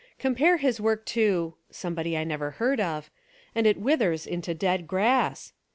Compare his work to, — somebody I have never heard of, — and it withers into dead grass.